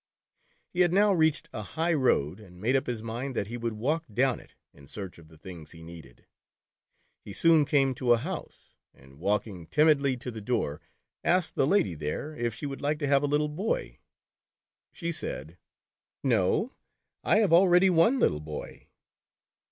He had now reached a high road, and made up his mind that he would walk down it, in search of the things he needed. He soon came to a house, and walking timidly to the door, asked the lady there if she would like to have a little boy. She said : "No, I have already one little boy."